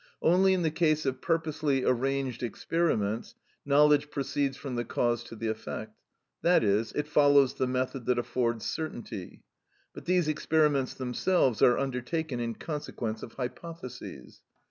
Only in the case of purposely arranged experiments, knowledge proceeds from the cause to the effect, that is, it follows the method that affords certainty; but these experiments themselves are undertaken in consequence of hypotheses.